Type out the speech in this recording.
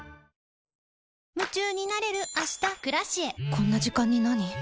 こんな時間になに？